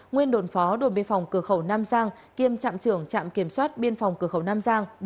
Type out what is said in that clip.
nguyên đồn phó đồn biên phòng cửa khẩu nam giang kiêm trạm trưởng trạm kiểm soát biên phòng cửa khẩu nam giang